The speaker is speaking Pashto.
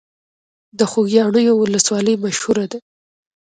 د خوږیاڼیو ولسوالۍ مشهوره ده